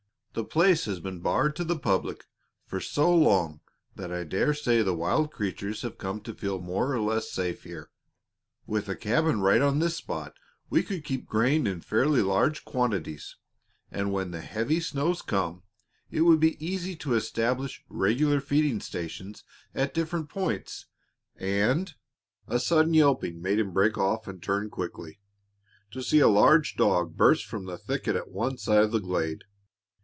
The place has been barred to the public for so long that I dare say the wild creatures have come to feel more or less safe here. With a cabin right on this spot we could keep grain in fairly large quantities, and when the heavy snows come, it would be easy to establish regular feeding stations at different points, and " A sudden yelping made him break off and turn quickly, to see a large dog burst from the thicket at one side of the glade.